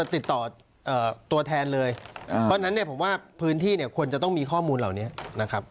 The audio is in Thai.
ติดต่อตัวแทนเลยเพราะฉะนั้นเนี่ยผมว่าพื้นที่เนี่ยควรจะต้องมีข้อมูลเหล่านี้นะครับ